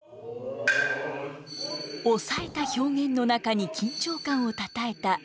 抑えた表現の中に緊張感をたたえた「能」。